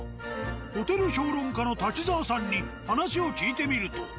ホテル評論家の瀧澤さんに話を聞いてみると。